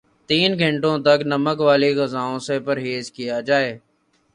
تین گھنٹوں تک نمک والی غذاوں سے پرہیز کیا جائے